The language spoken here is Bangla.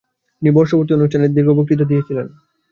তিনি বর্ষপূর্তি অনুষ্ঠানে দীর্ঘ বক্তৃতা দিয়েছিলেন ।